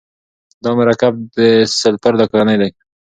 دا مرکب د سلفر له کورنۍ دی.